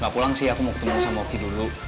gak pulang sih aku mau ketemu sama oki dulu